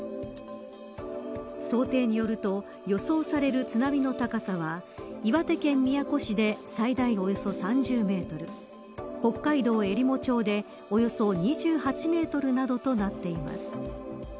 想定によると予想される津波の高さは岩手県宮古市で最大およそ３０メートル北海道えりも町でおよそ２８メートルなどとなっています。